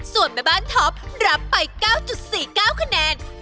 ส่วนแม่บ้านท็อปรับไป๙๔๙คะแนน